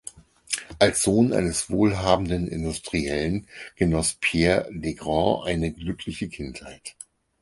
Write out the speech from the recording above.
Als Sohn eines wohlhabenden Industriellen genoss Pierre Legrain eine glückliche Kindheit.